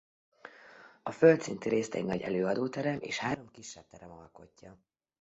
A földszinti részt egy nagy előadóterem és három kisebb terem alkotja.